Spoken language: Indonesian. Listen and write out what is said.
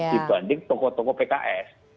dibanding tokoh tokoh pks